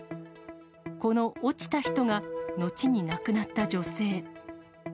この落ちた人が、後に亡くなった女性。